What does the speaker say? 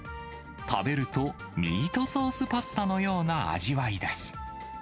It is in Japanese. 食べると、ミートソースパスタのような味わいです。